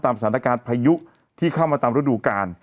สถานการณ์พายุที่เข้ามาตามฤดูกาล